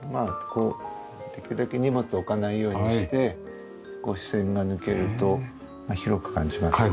ここできるだけ荷物置かないようにして視線が抜けると広く感じますよね。